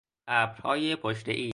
ابرهای پشتهای